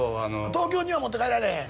東京には持って帰られへん？